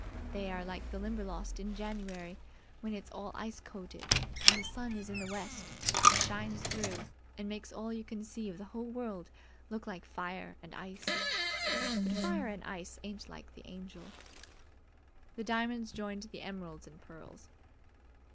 They're like the Limberlost in January, when it's all ice coated, and the sun is in the west and shines through and makes all you can see of the whole world look like fire and ice; but fire and ice ain't like the Angel." The diamonds joined the emeralds and pearls.